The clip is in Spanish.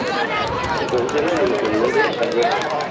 Su cabecera es la localidad de Alberti.